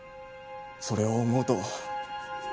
それを思うと。